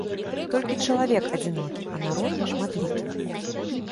Толькі чалавек адзінокі, а народ шматлікі.